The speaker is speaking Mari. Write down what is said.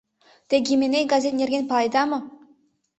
Те «Гименей» газет нерген паледа мо?